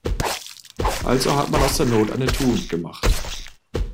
Also hat man aus der Not eine Tugend gemacht.